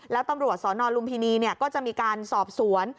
แล้วตำรวจสนลุมพินีก็จะมีการสอบสวน